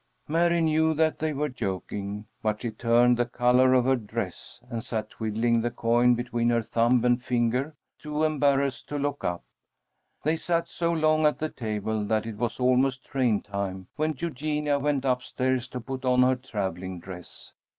Mary knew that they were joking, but she turned the color of her dress, and sat twiddling the coin between her thumb and finger, too embarrassed to look up. They sat so long at the table that it was almost train time when Eugenia went up stairs to put on her travelling dress.